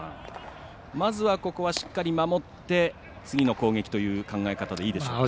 まずは、しっかり守って次の攻撃という考え方でいいでしょうかね。